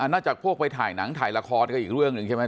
จากพวกไปถ่ายหนังถ่ายละครก็อีกเรื่องหนึ่งใช่ไหม